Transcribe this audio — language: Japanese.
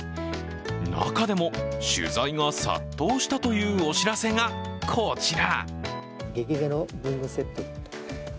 中でも取材が殺到したというお知らせがこちら。